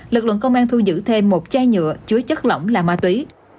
lực lượng công an thu giữ thêm một chai nhựa chứa chất lỏng là ma túy